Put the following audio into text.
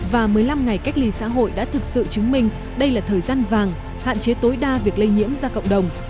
và một mươi năm ngày cách ly xã hội đã thực sự chứng minh đây là thời gian vàng hạn chế tối đa việc lây nhiễm ra cộng đồng